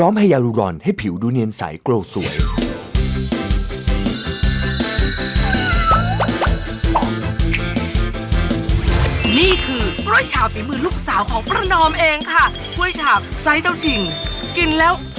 ไม่ชอบอะไรเจอได้อย่างนั้นได้อย่างนั้นอย่างนั้น